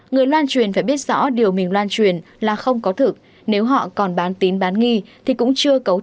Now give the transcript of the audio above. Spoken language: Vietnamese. người loan truyền phải biết rõ điều mình lan truyền là không có thực nếu họ còn bán tín bán nghi thì cũng chưa cấu trúc